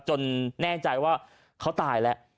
แน่ใจว่าเขาตายแล้ว